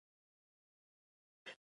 دوی د مالیې اصول هم له منځه یوړل.